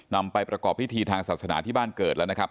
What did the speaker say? นำไปประกอบพิธีทางศาสนาที่บ้านเกิดแล้วนะครับ